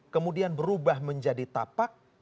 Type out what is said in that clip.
kemudian berubah menjadi tapak